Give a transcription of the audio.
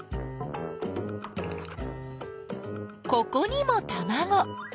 ここにもたまご！